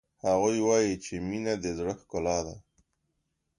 هغوی وایي چې مینه د زړه ښکلا ده